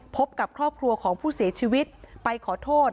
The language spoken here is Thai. พบกับครอบครัวของผู้เสียชีวิตไปขอโทษ